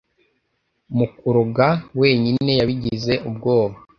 Mu kuroga wenyine yabigize ubwoba